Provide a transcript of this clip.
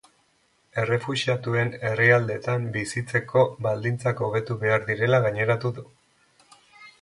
Errefuxiatuen herrialdeetan bizitzeko baldintzak hobetu behar direla gaineratu du.